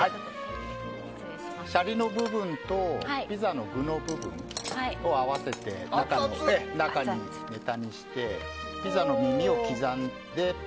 シャリの部分とピザの具の部分と合わせて中をネタにしてピザの耳を刻んで。